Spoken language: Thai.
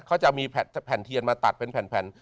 เขาจะมีแผ่นเทียนมาตัดเป็นแผ่น